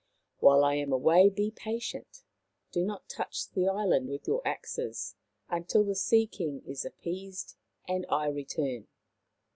While I am away, be patient. Do not touch the island with your axes until the Sea king is appeased and I return."